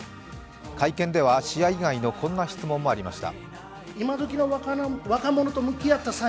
会見では、試合以外のこんな質問もありました。